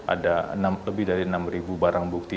ada lebih dari enam barang bukti